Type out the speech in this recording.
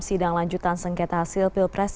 sidang lanjutan sengketa hasil pilpres